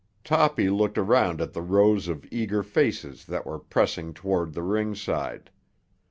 Toppy looked around at the rows of eager faces that were pressing toward the ringside.